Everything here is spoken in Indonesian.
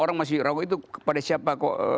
orang masih ragu itu kepada siapa kok